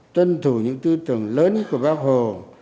tuân thủ những tư tưởng lớn của bác hồ